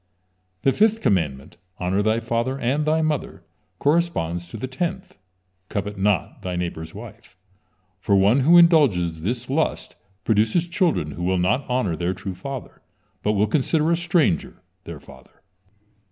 The fifth commandment: "Honor thy father and thy mother," corresponds to the tenth: "Covet not thy neighbor's wife," for one who indulges this lust produces children who will not honor their true father, but will consider a stranger their father.